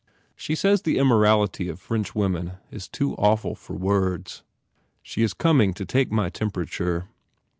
She says the immorality of French women is too awful for words. She is coming to take my temperature."